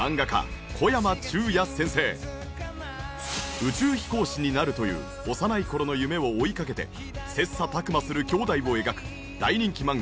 宇宙飛行士になるという幼い頃の夢を追いかけて切磋琢磨する兄弟を描く大人気漫画